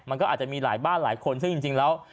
มันก็อาจจะมีหลายบ้านหลายคนซึ่งจริงแล้ว